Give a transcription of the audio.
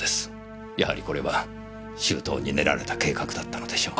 やはりこれは周到に練られた計画だったのでしょう。